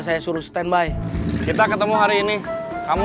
apa kan rupanya bisa boled seseriusnya aku